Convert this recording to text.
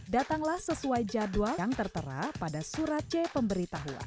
datanglah sesuai jadwal yang tertera pada surat c pemberitahuan